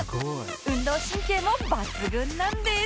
運動神経も抜群なんです